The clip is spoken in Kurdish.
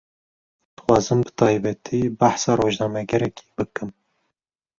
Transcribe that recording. Dixwazim bi taybetî, behsa rojnamegerekî bikim